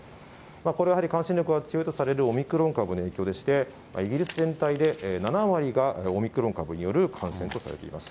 これはやはり、感染力が強いとされるオミクロン株の影響でして、イギリス全体で７割がオミクロン株による感染とされています。